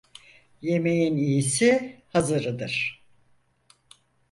Yemeğin iyisi hazırıdır.